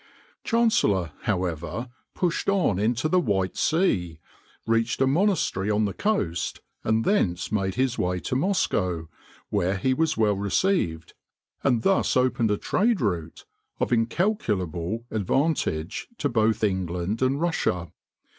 Chancellor, however, pushed on into the White Sea, reached a monastery on the coast, and thence made his way to Moscow, where he was well received, and thus opened a trade route of incalculable advantage to both England and Russia.